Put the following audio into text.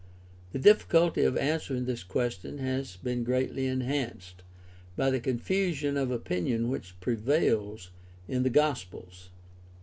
The difficulty of answering this question has been greatly enhanced by the confusion of opinion which prevails in the Gospels.